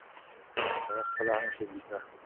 هغه خپله هم شعر ليکه.